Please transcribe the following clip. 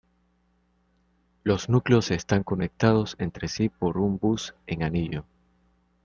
Los núcleos están conectados entre sí por un bus en anillo.